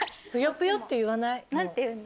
何て言うんだろう。